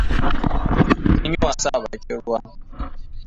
Mun yi wasa a bakin ruwa.